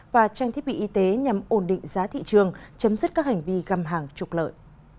và trang thiết bị y tế nhằm ổn định giá thị trường chấm dứt các hành vi găm hàng trục lợi